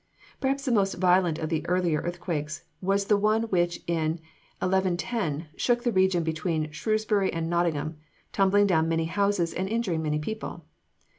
Perhaps the most violent of the earlier earthquakes was the one which in 1110 shook the region between Shrewsbury and Nottingham, tumbling down many houses and injuring many people.